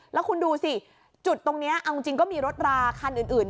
แล้วคุณดูสิจุดตรงนี้เอาจริงก็มีรถราคันอื่น